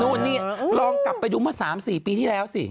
นู่นนี่ลองกลับไปดูเมื่อ๓๔ปีที่แล้วสิ